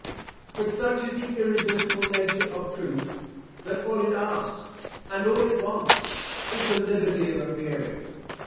But such is the irresistible nature of truth, that all it asks, and all it wants, is the liberty of appearing.